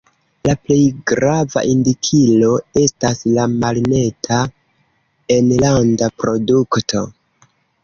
La plej grava indikilo estas la Malneta Enlanda Produkto.